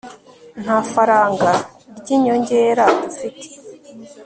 nta faranga ry'inyongera dufite